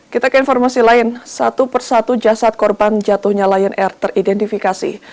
kita ke informasi lain satu persatu jasad korban jatuhnya lion air teridentifikasi